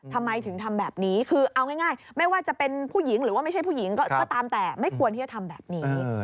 ทำไมถึงทำแบบนี้คือเอาง่ายไม่ว่าจะเป็นผู้หญิงหรือว่าไม่ใช่ผู้หญิงก็ตามแต่ไม่ควรที่จะทำแบบนี้